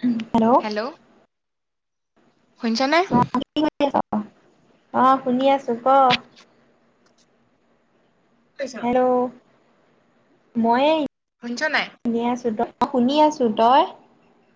Hello শুনিছ নে? কি কৰি আছ? অ' শুনি আছো ক শুনিছ হেল্ল' মই এ শুনিছ নাই? অ' শুনি আছো তই।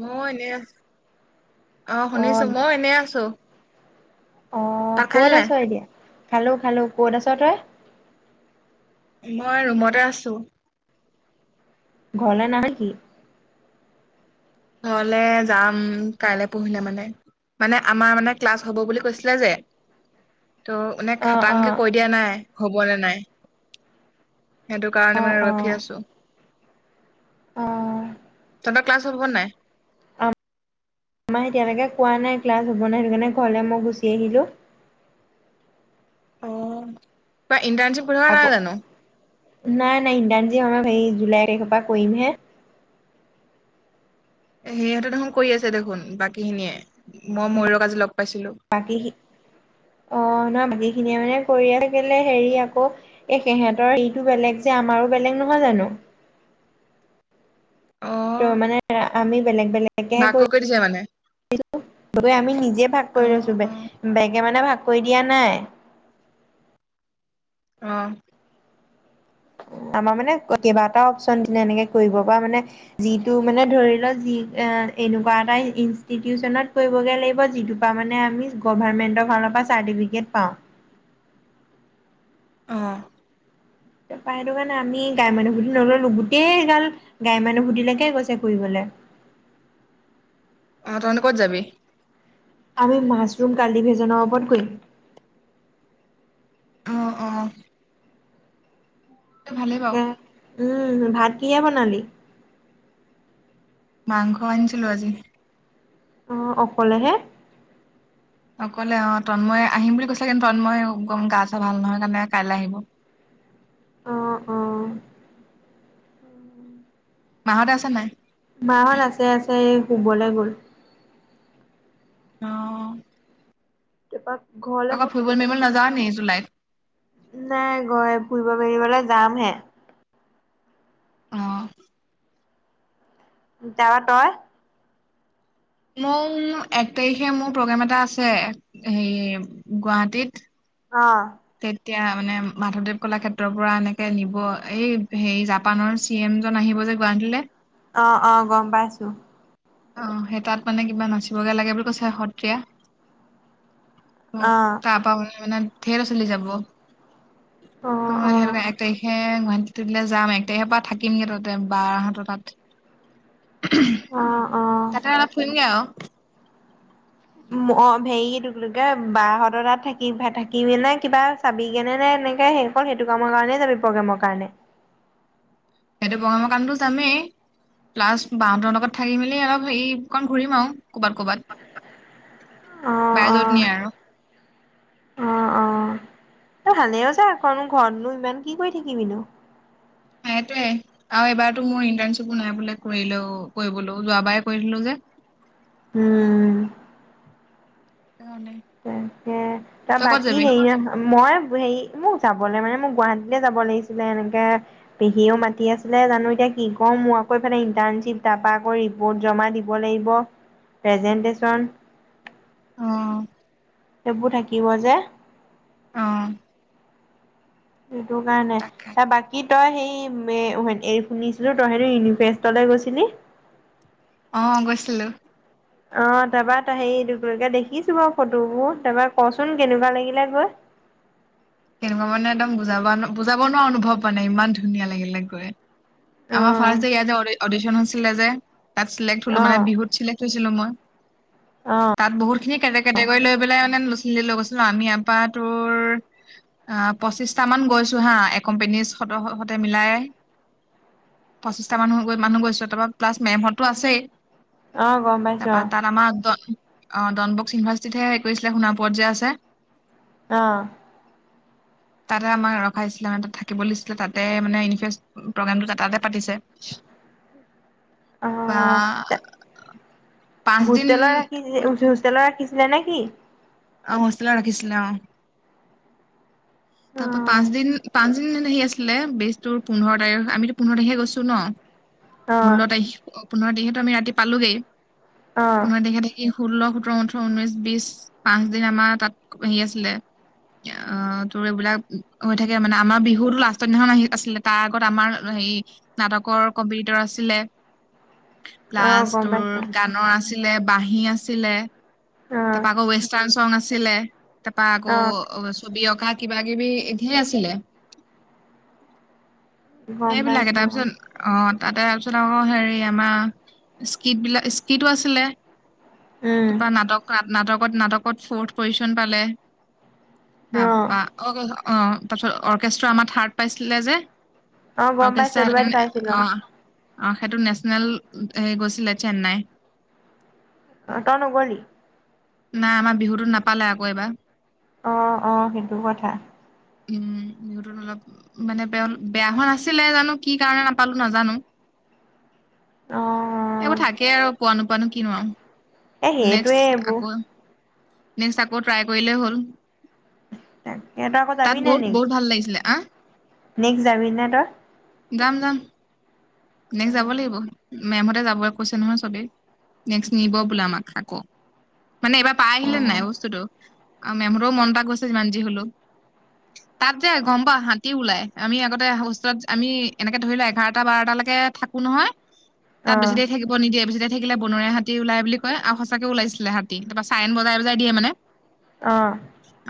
মই এনে অ' শুনিছো মই এনে আছো। অ' ভাত খালি ক'ত নাই? আছ এতিয়া। খালো খালো ক'ত আছ তই। মই ৰুমতে আছো। ঘৰলে নাহ নেকি? ঘৰলে যাম কাইলে পৰহিলে মানে, মানে আমাৰ মানে ক্লাছ হ'ব বুলি কৈছিলে যে ত' এনে অ অ খাটাংকে কৈ দিয়া নাই। হ'বনে নাই। সেইটো অ কাৰণে মানে অ ৰখি আছো। অ'। তহঁতৰ ক্লাছ হ'ব নাই। আমাৰ এতিয়ালৈকে কোৱা নাই ক্লাছ হ'ব নাই সেইটো কাৰণে ঘৰলৈ মই গুচি আহিলোঁ। অ'। ইণ্টাৰ্ণচিপ কৰি থকা আকৌ নাই জানো। নাই নাই ইন্টাৰ্ণচিপ আমাৰ সেই জুলাইৰ পা কৰিম হে। সিহঁতে দেখোন কৰি আছে দেখোন বাকী খিনিয়ে মই ময়ুৰক আজি লগ পাইছিলো। বাকী সি অ' ন বাকী খিনিয়ে মানে কৰি থাকিলে হেৰি আকৌ এই সিহঁতৰ হেৰিটো বেলেগ যে আমাৰো বেলেগ নহয় জানো। ত' অ' মানে আমি বেলেগ বেলেগেহে ভাগ কৰি দিছে মানে। লৈছো। গৈ আমি নিজে ভাগ কৰি অ' লৈছো বেগে মানে ভাগ কৰি দিয়া নাই। অ'। আমাৰ মানে কেইবাটাও অপচন দিলে এনেকে কৰিব পৰা মানে যিটো মানে ধৰি ল যি এ এনেকুৱা এটা ইনস্টিটিউটচনত কৰিবগে লাগিব যিটোৰ পা মানে আমি গভাৰমেন্টৰফালৰ পৰা চাৰ্টিফিকেট পাওঁ। অ'। তাৰ পা সেইটো কাৰণে আমি গাৱৰ মানুহ নললো গোটেই গাল গাই মানুহভূতিলৈকে গৈছে কৰিবলে। অ' তহতেঁ ক'ত যাবি। আমি মাছৰুম কালি ভেজনৰ ওপৰত কৰিম। অ'অ'। ভালে তাকে বাৰু। উম ভাত কিহেৰে বনালি? মাংস আনিছিলো আজি। আহ অকলেহে অকলে অ তন্ময় আহিম বুলি কৈছেে কিন্তু তন্ময় গম গা চা ভাল নহয় কাৰণে কাইলৈ আহিব অ অ মাহতে আছে নাই মাহত আছে আছে এই শুবলৈ গ'ল অহ [unintelligible] কত ফুৰিবলে মুৰিবলে নেযাওঁ নি জুলাইত নাই গৈ ফুৰিব মেলিবলৈ যামহে অহ যাবা তই মোৰ এক তাৰিখে মোৰ প্ৰগ্ৰেম এটা আছে হে গুৱাহাটীত অ এতিয়া মানে মাধৱদেৱ কলা ক্ষেত্ৰৰ পৰা এনেকে নিব এই হেৰি জাপানৰ চি এম জন আহিব যে গুৱাহাটীলৈ অ অ গম পাইছো অহ সেই তাত মানে কিবা নাচিবগে লাগে বুলি কৈছে সত্ৰীয়া অ তাৰ পৰা ওলায় মানে ধেৰ চলি যাব অ ত অ মানে সে এক তাৰিখে গুৱাহাটী দিললে যাম এক তাৰিকৰ পৰা থাকিমগে তাতে বাৰ হঁত তাত অ অ অ তাতে অলপ ফুৰিনগে আৰু অ হেৰি তোকে বাহঁতৰ তাত থাকি থাকিবি নে কিবা চাবি কেনে নে এনেকে সেই অকল সেইটো কামৰ কাৰণেই যাবি প্ৰগ্ৰেমৰ কাৰণে এইটো বগা ম কণতো যামেই প্লাছ বাহঁতৰ লগত থাকি মেলি অলপ হেৰিকণ ঘূৰিম আৰু কৰ'বাত অ কৰ'বাত বাই অ যত নিয়ে আৰু অ অ তই ভালেইওছা আকনো ঘৰতনো ইমান কি কৰি থাকিবিনো সেইটোৱে আৰু এইবাৰতো মোৰ ইন্টাৰশ্বিপো নাই বোলে কৰিলে কৰিবলৈ যোৱাবাৰ কৰি যে সেইকাৰণে ত ত তই ক'ত বাকী যাবি? হেৰি মই হেৰি মোক যাব মানে মোক গুৱাহাটীতে যাব লাগিছিলে এনেকে পেহীও মাতি আছিলে জানো এতিয়া কি কম মোৰ আকৌ এইফালে ইন্টাৰ্নশ্বিপ তাৰপ আকৌ ৰিপৰ্ট জমা দিব লাগিব প্ৰেজেনটন অ', এইবোৰ থাকিব যে অ', সেইটো কাৰণে তাকে সে বাকী কি তই সেই এৰি শুনিছিলো তই হেন ইউনিফেষ্টলৈ গৈছিলি অ গৈছিলো অ তাৰপাত হেৰি দুকে দেখিছো বাৰু ফটোবোৰ তাৰপা কচোন কেনেকুৱা লাগিলে গৈ তেনেকুৱা মানে একদম বুজাব বুজাব নোৱাৰা অনুভৱ মানে ইমান ধুনীয়া লাগিলে গৈ অ আমাৰ ফাৰ ইয়াত অডিশন নেযায় তাত চে্ট অ হলো মানে বিহুতিলেক্ হৈছিলো মই অ তাত বহুত খিনি কেটে কেটেকৈ লৈ পেলাই লচ লৈ গৈছিলো আমি ইয়াৰপা তোৰ পঁচিছটামান গৈছো হা এ এক কোম্পেনী সতে মিলাই পঁচিছটা মান মানুহ গৈছো তাৰপৰা প্লাছ মেমহতো আছেই আহ গম পাইছো তাৰপা অ তাত আমাৰ অ ডন বক্স ইউনিভাৰ্চিটিতহে গৈছিলে শোণাপুৰত যে আছে। আহ তাতে আমাক ৰখাইছিলে মানে ত থাকিব দিছিলে তাতে মানে ই প্ৰগ্ৰেম তাতে পাতিছে। বা অ', পাঁচ দিন নেকি? অ হোষ্টেলত ৰাখিছিল অ তাৰ পৰা অ', পাঁচদিন পাঁচদিন সে আছিলে বেজটোৰ, পোন্ধৰ তাৰিখ আমিতো পোন্ধৰ তাৰিখে গৈছো ন। ষোল্ল অ', তাৰিখ পোন্ধৰ তাৰিখে আমি ৰাতি পালোগেই অ', পোন্ধৰ তাৰিখে ষোল্ল সোতৰ ওঠৰ ঊনৈশ বিশ পাঁচ দিন আমাৰ তাত হেৰি আছিলে অ তোৰ এইবিলাক হৈ থাকে মানে আমাৰ বিহুতো লাষ্টৰ দিনাখন আহি আছিলে তাৰ আগত আমাৰ হেৰি নাটকৰ কম্পিটিটৰ আছিলে। অ', লাষ্ট গম তোৰ পাইছোঁ। গানৰ আছিল আছিলে বাঁহী আছিলে অ', তাৰপা আকৌ ৱেষ্টাৰ্ণ চংগ আছ ছিলে। তাৰপা আকৌ অ, [unintelligible] কিবা কিবি [unintelligible] আছিলে। গম সেইবিলাকে পাইছোঁ তাৰপিছত, অ'। তাতে, তাৰপিছত আকৌ হেৰি আমাৰ স্কিট বিলা, স্কিটো আছিলে। উম, তাৰপৰা নাটক [unintelligible] নাটকত, নাটকত ফ'ৰ্থ পজিচন পালে। অ', নাপা, অ' [unintelligible] অ'। তাৰপাছত অৰ্কেষ্ট্ৰ আমাৰ থাৰ্ড পাইছিলে যে। অ গম পাইছোঁ, এইটো বাতৰি পাইছিলোঁ, অ'। অহ, সেইটো নেশচনেল হেৰি গৈছিলে চেন্নাই। অ, তই ন'গলি? নাই, আমাৰ বিহুতো নাপালে আকৌ এইবাৰ। অ', অ', সেইটো কথা। উম। বিহুতো অলপ মানে বেয়া, বেয়া হোৱা নাছিলে, জানো কি কাৰণত নাপালো নাজানো। অ'। সেইবোৰ থাকেই আৰু পোৱা নোপোৱা নো কিনো আৰু! এই সেইটোৱে এইবোৰ নেক্স আকৌ ট্ৰাই কৰিলেই হ'ল। তাকে তই আকৌ যাবি তাত নে বহুত নেক্সট? বহুত ভাল লাগিছিলে আহ নেক্সট যাবি নে তই যাম যাম নেক্সট যাব অ', লাগিব মেমহতে যাব কৈছে নহয় চবেই নেক্স নিব বোলে আমাক আকৌ মানে এইবাৰ পাই আহিলে নে অ', নাই বস্তুটো আও মেমহতৰো মন এটা গৈছে যিমান যি হলো তাত যে গম পাওঁ হাতী ওলাই আমি আগতে হোষ্টেলত আমি এনেকে ধৰিলো এঘাৰটা বাৰটা লে কে থাকো নহয় তাত বেছি অ', দেৰি থাকিব নিদিয়ে বেছি দে ৰি থাকিলে বনৰীয়া হাতী ওলাই বুলি কয় আও সঁচাকে ওলাইছিলে হাতী তাপা চাইৰন বজাই বজাই দিয়ে মানে অ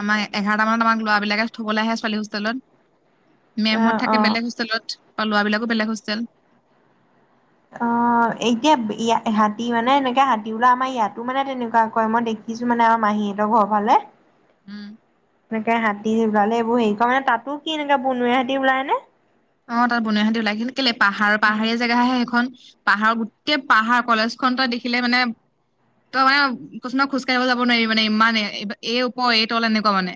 আমাৰ এঘাৰটা মানত আমাক ল'ৰাবিলাকে থ'বলে আহে ছোৱালী হোষ্টেলত অ', মেমহত থাকে অ', বেলেগ হোষ্টেলত। লৰাবিলাকো বেলেগ হোষ্টেল। অ এতিয়া বি এয়া হাতী মানে এনেকে হাতী ওলা আমাৰ ইয়াতো মানে তেনেকুৱা কয় মই দেখিছো মানে আমাৰ মাহীহঁতৰ ঘৰ ফালে। হু। এনেকে হাতী ওলালে এইবোৰ হেৰি কৰা মানে তাতো কি এনেকে বনৰীয়া হাতী ওলাই নে? অ তাত বনৰীয়া হাতি ওলাই কিন কেলে পাহাৰৰ পাহাৰীয়া জেগা আহে সেইখন। পাহাৰৰ গোটেই পাহাৰ কলেজখন তই দেখিলে মানে তই মানে কিছুমান খোজ কাঢ়িব যাব নোৱাৰি মানে ইমান এই ওপৰ এই তল এনেকুৱা মানে।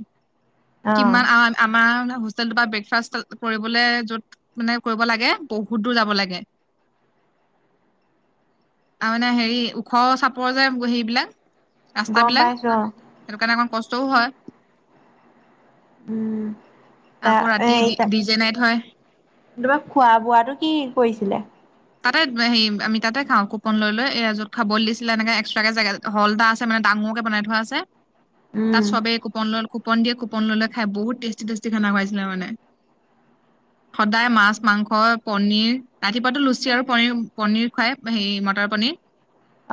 অ', কিমান আ আমাৰ হোষ্ট চেল বা ব্ৰেকফাষ্ট কৰিবলৈ য'ত মানে কৰিব লাগে বহুত দূৰ যাব লাগে। আ মানে হেৰি ওখ চাপ পৰ যে সেইবিলাক গম ৰাস্তাবিলাক পাইছো অ', সেইটো কাৰণে অকণ কষ্ট চৌ হয়। উম তা আকৌ ৰাতি এই তা ডি জে নাইট হয় তোমাৰ খোৱা বোৱাটো কি কৰিছিলে? তাতে হেৰি আমি তাতে খাওঁ কুপন লৈ, লৈ এ, য'ত খাবলৈ দিছিলে, এনেকে এক্সট্ৰাকে জেগা হল এটা আছে মানে ডাঙৰকে বনাই থোৱা আছে। তাত উম, চবে কুপন লৈ কুপ কুপন দিয়ে কুপন লৈ, লৈ খাই বহুত টেষ্টি, টেষ্টি খানা খুৱাইছিলে মানে। সদায় মাছ, মাংস, পনীৰ ৰাতিপুৱাতো লুচ লুচি আৰু পনীৰ, পনীৰ খুৱাই হেয়ি মটৰ পনীৰ।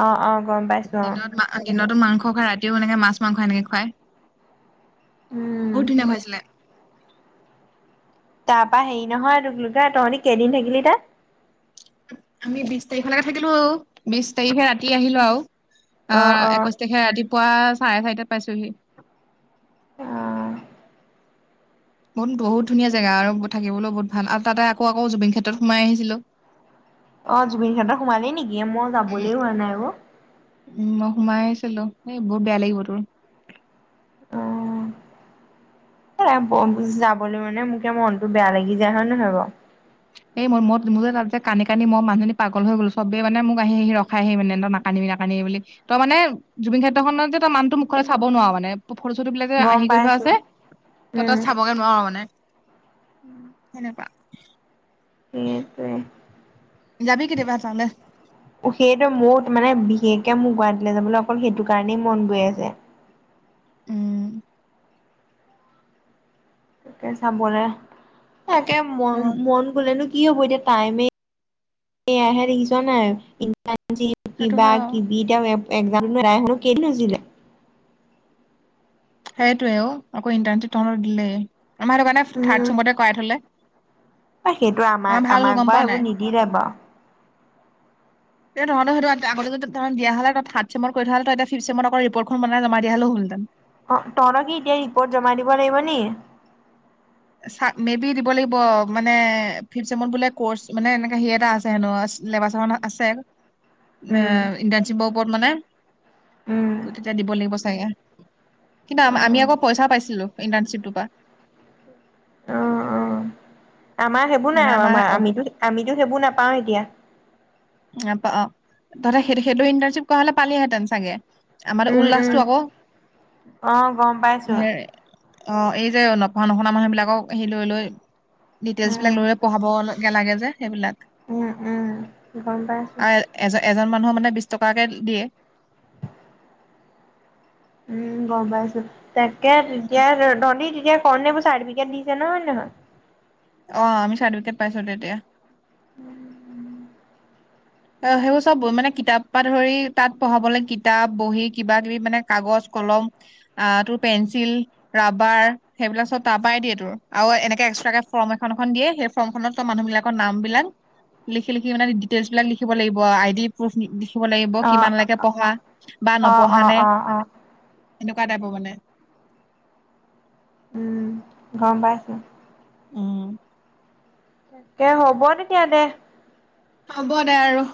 অ', অ', গম পাইছোঁ অ'। দিনতো মাংস খুৱাই ৰাতিও এনেকে মাছ, মাংস এনেকে খুৱায়। উম। বহুত ধুনীয়া খুৱাইছিলে। তাপা হেৰি নহয়, তোকলোকে তহঁতি কেইদিন থাকিলি তাত? আমি বিচ তাৰিখলৈকে থাকিলোঁ, বিচ তাৰিখে ৰাতি আহিলোঁ আৰু। অ', একৈচ্ছ তাৰিখে ৰাতি পুৱা চাৰে চাৰিটাত পাইছোহি। অহ। বহুত, বহুত ধুনীয়া জগা আৰু থাকিবলৈও বহুত ভাল আৰু তাতে আকৌ আকৌ জুবিন ক্ষেত্ৰত সোমাই আহিছিলো। অ', জুবিন ক্ষেত্ৰত সোমালেই নেকি, মই উম, যাবলৈ হোৱা নাই অ'। উম, মই সোমাই আহিছিলো, এই বহুত বেয়া লাগিব তোৰ। অ', যাবলৈ মানে মোকে মনটো বেয়া লাগি যায় হয় নহয় বাৰু। এই মই, মই মোৰ যে ত যে কান্দি কান্দি মই মানুহজনী পাগল হৈ গ'লো চবেই মানে মোক আহি আহি ৰখাই আহি মানে তই নাকান্দিবি নাকান্দিবি বুলি, তই মানে জুবিন ক্ষেত্ৰখনত যে তই মানুহটোৰ মুখনলৈ চাব নোৱাৰ মানে। ফটো-চটোবিলাক যে গম আঁৰি কৰি থোৱা পাইছো আছে, তই, তই চাবগৈ নোৱাৰ মানে উম। [inaudible] যাবি কেতিয়াবা তালে সেইটোৱেই সেইটোৱেই মোৰ মানে, বিশেষ এতিয়া মোৰ গুৱাহাটীলৈ যাবলৈ অকল সেইটো কাৰণেই মন গৈ আছে। উম। এতিয়া যাবলে তাকে অ মন, মন গ'লেই নো কি হ'ব এতিয়া? টাইমেই এয়াহে দেখিছ নাই, ইণ্টাৰণ চিপ সেইটো হয় অ কিবা-কিবি, তেও [unintelligible] [inaudible] সেইটোৱেই। অ', আকৌ ইণ্টাৰ্নশ্বিপ তহঁতক দিলেই। আমাৰ সেইটো কাৰণে উম থাৰ্ড চেমতে কৰাই থ'লে সেইটো আমাক আমাৰ ভাল হ'ল। আমাক গম বাৰু পাৱ নে? সেইবোৰ নিদিলে বাৰু এ, তহঁতৰ সেইটো আগতেই যদি তহতঁক দিয়া হ'লে, তই থাৰ্ড চেমত কৰি থোৱা হেঁতেন। তই এতিয়া ফিফথ চেমত অকল ৰিপৰ্টখন বনাই জমা দিয়া হলেও হ'লহেঁতেন। অ'হ, তহঁতৰ কি এতিয়াইয়ে ৰিপৰ্ট জমা দিব লাগিব নি? চাগ, মেইবি দিব লাগিব। মানে ফিফথ চেমত বোলে ক'ৰ্চ, মানে, এনেকে হেৰি এটা আছে হেনো চিলেবাছখনত আছে মে, উম ইণ্টাৰ্নশ্বিপক [unintelligible] উম ত' তেতিয়া দিব লাগিব কিন্তু আমা-আমি আকৌ পইচা পাইছিলোঁ ইন্টাৰ্শ্বিপটো পা অ', অ'। আমাৰ সেইবোৰ মানে নাই, আমাৰ তহঁতে আমাৰ-আমিতো, আমিতো সেইবোৰ নাপ পাওঁ এতিয়া অ', [unintelligible] ‌ সেই, সেইটো ইণ্টাৰ্নশ্বিপ কৰা হ'লে পাৰিলহেঁতেন চাগে। আমাৰ উম, উল্লাসটো উম, আকৌ অ', গম পাইছোঁ। হে অ', এই যে, নপঢ়া, নুশুনা মানুহ বিলাকক সেই লৈ, লৈ ডিটেইলছ বিলাক উম লৈ পঢ়াব লাগে যে, সেইবিলাক উম উম। গম পাই আছোঁ। আৰু এজন এজন মানুহৰ মানে বিছ টকাকে দিয়ে। উম গম পাইছোঁ। তাকে তেতিয়া ধনী তেতিয়া। [unintelligible] বোৰ চাৰ্টিফিকেট দিছে হয় নে নহয়। অমি চাৰ্টিফিকেট পাইছোঁ তেতিয়া। উম উম। অ সেইবোৰ চব মানে কিতাপ পৰা ধৰি তাত পঢ়াবলৈ কিতাপ, বহি কিবা কিবি মানে কাগজ, কলম আহ তোৰ পেঞ্চিল, ৰাবাৰ সেইবিলাক চব তাৰ পৰাই দিয়ে তোৰ। আৰু এনেকে এক্সট্ৰাকে ফৰ্ম এখন এখন দিয়ে সেই ফৰ্মখনত তোৰ মানুহ বিলাকৰ নাম বিলাক লিখি লিখি মানে ডিটেইলচ বিলাক লিখি। থব লাগিব আইডি প্ৰুফ। কব লাগিব অ' কিমান লৈকে পঢ়া বা অ' নপঢ়া অ' নে। অ' অ' এনেকুৱা টাইপৰ মানে। উম গম পাইছোঁ। উম। তাকে হ'ব তেতিয়া দে। হ'ব দে আৰু।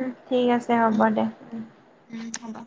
উম ঠিক আছে হ'ব উম দে উম। উম হ'ব